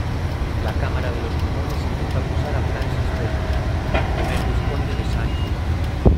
La Cámara de los Comunes intentó acusar a Francis Bacon, I vizconde de St.